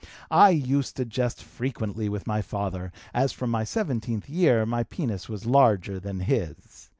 I used to jest frequently with my father, as from my seventeenth year my penis was larger than his.